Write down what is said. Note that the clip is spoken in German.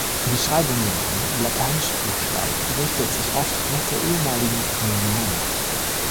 Die Schreibung der Namen in lateinischen Buchstaben richtet sich oft nach der ehemaligen Kolonialmacht.